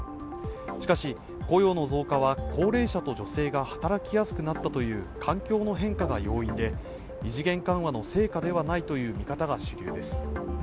しかし、雇用の増加は高齢者と女性が働きやすくなったという環境の変化が要因で異次元緩和の成果ではないという見方が主流です。